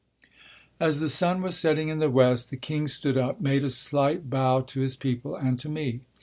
As the sun was setting in the west the king stood up, made a slight bow to his people and to me.